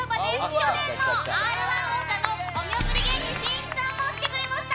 去年のＲ−１王者のお見送り芸人しんいちさんも来てくれました。